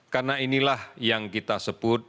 karena inilah yang kita sebut